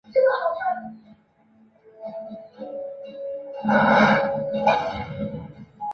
麦丝玛拉成立于雷焦艾米利亚。